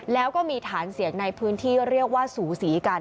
แล้วก็มีฐานเสียงในพื้นที่เรียกว่าสูสีกัน